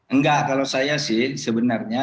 enggak kalau saya sih sebenarnya